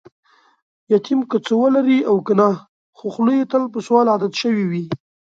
یتیم که څه ولري او کنه، خوخوله یې تل په سوال عادت شوې وي.